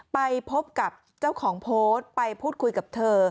ไปพบกับเจ้าของโพสต์ไปพูดคุยกับเธอ